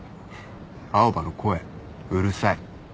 青羽の声うるさい。